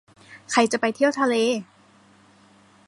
ใครจะไปเที่ยวทะเล